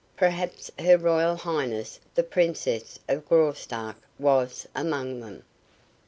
Perhaps Her Royal Highness, the Princess of Graustark, was among them.